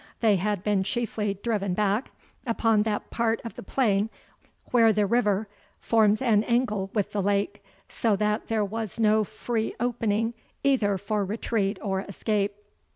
They had been chiefly driven back upon that part of the plain where the river forms an angle with the lake, so that there was no free opening either for retreat or escape.